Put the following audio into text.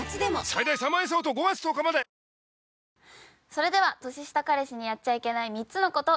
それでは「年下彼氏にやっちゃいけない３つのこと」